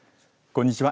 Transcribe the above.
こんにちは。